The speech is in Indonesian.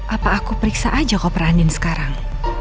apa aku periksa aja koper andin sekarang